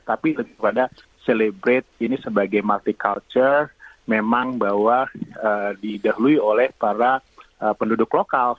tapi lebih kepada celebrate ini sebagai multicultural memang bahwa didahului oleh para penduduk lokal